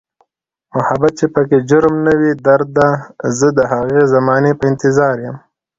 محبت چې پکې جرم نه وي درده، زه د هغې زمانې په انتظاریم